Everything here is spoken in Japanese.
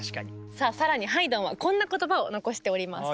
さあ更にハイドンはこんな言葉を残しております。